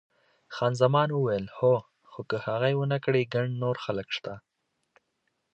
خان زمان وویل، هو، خو که هغه یې ونه کړي ګڼ نور خلک شته.